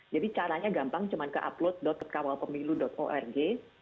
jadi caranya gampang cuma ke upload kawalpemilu org